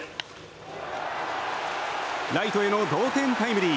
ライトへの同点タイムリー。